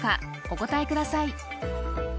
お答えください